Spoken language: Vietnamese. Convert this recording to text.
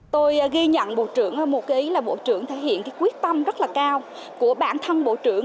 tôi ghi nhận bộ trưởng hơn một ký là bộ trưởng thể hiện quyết tâm rất là cao của bản thân bộ trưởng